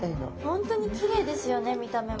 本当にきれいですよね見た目も。